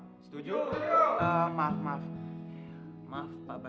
bagaimana dengan usul tadi bapak bapak